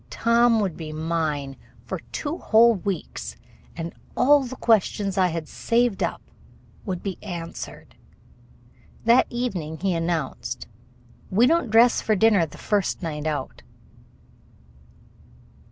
Tom would be mine for two whole weeks, and all the questions I had saved up would be answered. That evening he announced: "We don't dress for dinner the first night out."